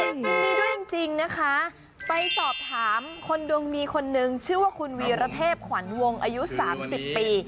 ยินดีด้วยจริงนะคะไปสอบถามคนดวงดีคนนึงชื่อว่าคุณวีรเทพขวัญวงอายุ๓๐ปี